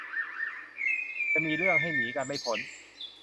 จะมีเรื่องให้หนีกันไม่พ้น